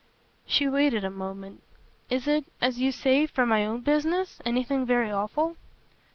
She waited a moment. "Is it, as you say for my own business, anything very awful?"